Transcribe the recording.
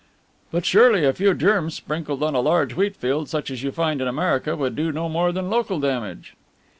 "But surely a few germs sprinkled on a great wheatfield such as you find in America would do no more than local damage?"